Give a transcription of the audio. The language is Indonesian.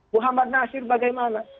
muhammad nasir bagaimana